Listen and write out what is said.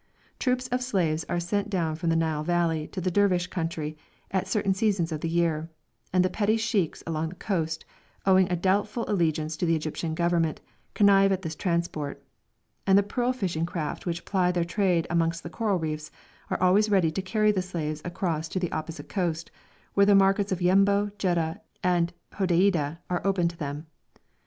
Troops of slaves are sent down from the Nile valley to the Dervish country at certain seasons of the year, and the petty sheikhs along the coast, owing a doubtful allegiance to the Egyptian Government, connive at this transport; and the pearl fishing craft which ply their trade amongst the coral reefs are always ready to carry the slaves across to the opposite coast, where the markets of Yembo, Jeddah, and Hodeida are open to them.